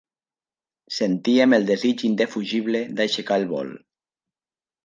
Sentíem el desig indefugible d'aixecar el vol.